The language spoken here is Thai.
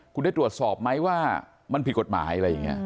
คุณได้ตรวจสอบไหมว่ามันผิดกฎหมายอะไรอย่างนี้